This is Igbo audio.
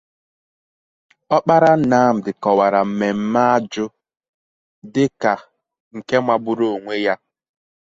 Ọkpara Nnamdi kọwara mmemme ajụ dịka nke magburu onwe ya